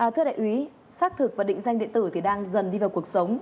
thưa đại úy xác thực và định danh điện tử thì đang dần đi vào cuộc sống